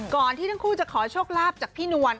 ที่ทั้งคู่จะขอโชคลาภจากพี่นวล